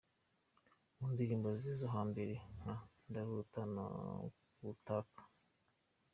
Mu ndirimbo ze zo ha mbere nka 'Ndarota','Nakutaka',.